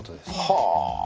はあ！